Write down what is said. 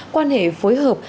quan hệ phối hợp